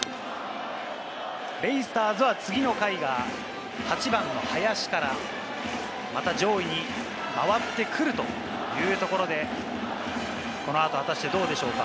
ベイスターズは次の回が８番の林からまた上位に回ってくるというところで、この後、果たしてどうでしょうか。